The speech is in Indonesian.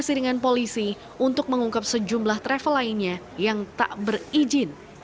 kementerian agama wilayah jawa timur akan berkongsi dengan polisi untuk mengungkap sejumlah travel lainnya yang tak berizin